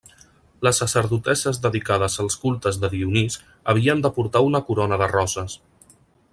Les sacerdotesses dedicades als cultes de Dionís havien de portar una corona de roses.